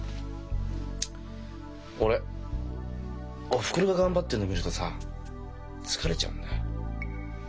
俺おふくろが頑張ってるの見るとさ疲れちゃうんだよ。